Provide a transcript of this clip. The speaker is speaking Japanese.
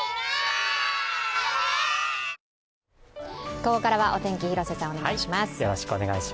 ここからはお天気、広瀬さん、お願いします。